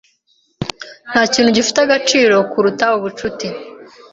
Ntakintu gifite agaciro kuruta ubucuti.